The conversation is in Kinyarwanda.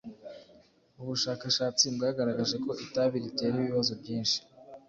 ubushakashatsi bwagaragaje ko itabi ritera ibibazo byinshi